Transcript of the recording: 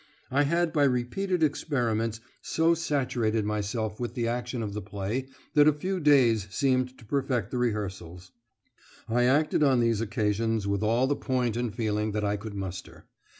I had by repeated experiments so saturated myself with the action of the play that a few days seemed to perfect the rehearsals. I acted on these occasions with all the point and feeling that I could muster.